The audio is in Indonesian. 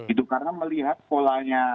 itu karena melihat polanya